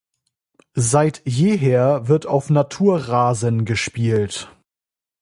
Seit jeher wird auf Naturrasen gespielt.